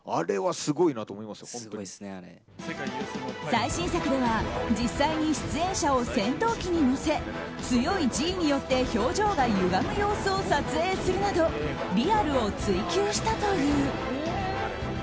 最新作では実際に出演者を戦闘機に乗せ強いＧによって表情がゆがむ様子を撮影するなどリアルを追求したという。